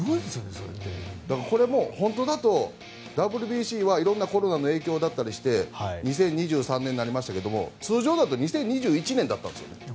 本当だとＷＢＣはいろんなコロナの影響とかで２０２３年になりましたけど通常だと２０２１年だったんですよ。